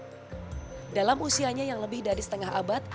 dalam usianya yang lebih dari setengah abad